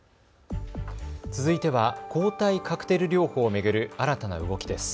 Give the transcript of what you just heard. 続いては抗体カクテル療法を巡る新たな動きです。